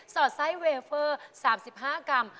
อดไส้เวเฟอร์๓๕กรัม